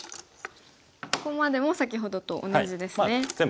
ここまでも先ほどと同じですね。